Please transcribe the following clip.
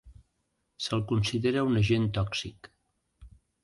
Se'l considera un agent tòxic.